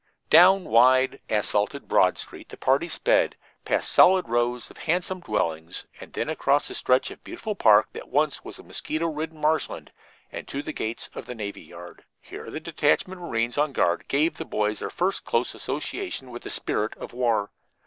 Down wide, asphalted Broad Street the party sped, past solid rows of handsome dwellings, and then across the stretch of beautiful park that was once a mosquito ridden marshland, and to the gates of the navy yard. Here the detachment of marines on guard gave the boys their first close association with the spirit of war.